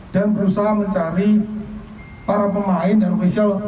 dan berusaha mencari para pemain dan official